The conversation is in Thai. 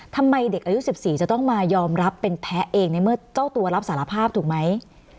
ทำไมเด็กอายุ๑๔จะต้องมายอมรับเป็นแพ้เองในเมื่อเจ้าตัวรับสารภาพถูกไหม